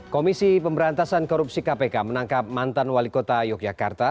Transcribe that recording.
komisi pemberantasan korupsi kpk menangkap mantan wali kota yogyakarta